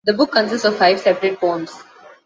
The book consists of five separate poems.